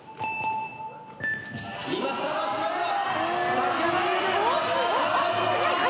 今スタートしました。